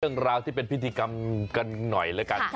เรื่องราวที่เป็นพิธีกรรมกันหน่อยแล้วกัน